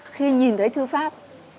khi nhìn thấy thư pháp